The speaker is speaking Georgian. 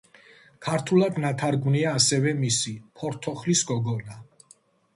ქართულად ნათარგმნია ასევე მისი „ფორთოხლის გოგონა“.